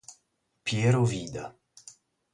Piero Vida